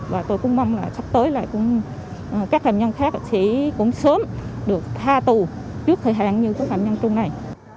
và tôi cũng mong là sắp tới là các phạm nhân khác sẽ cũng sớm được tha tù trước thời hạn như các phạm nhân trung này